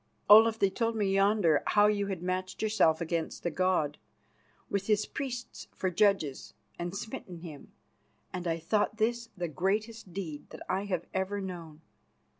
Olaf, they told me yonder how you had matched yourself against the god, with his priests for judges, and smitten him, and I thought this the greatest deed that ever I have known.